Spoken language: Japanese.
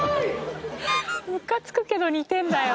ムカつくけど似てるんだよ。